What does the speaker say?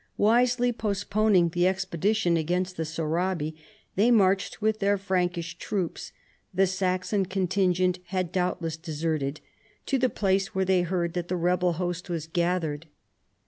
Wisely postponing the expedition against the Sorabi, they marched with their Frankish troops — the Saxon con tingent had doubtless deserted — to the place where they heard that the rebel host was gathered.